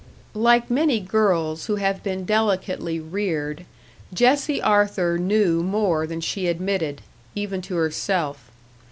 Like many girls who have been delicately reared, Jessie Arthur knew more than she admitted, even to herself.